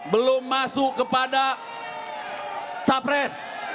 belum masuk kepada capres